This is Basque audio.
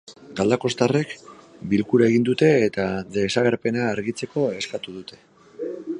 Galdakoztarrek bilkura egin dute eta desagerpena argitzeko eskatu dute.